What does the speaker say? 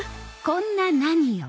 こんな何よ？